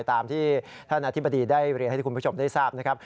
ตามที่ท่านอธิบดีได้เรียนให้คุณผู้ชมได้ทราบนะครับ